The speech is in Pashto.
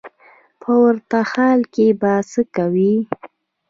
په ورته حال کې به څه کوې.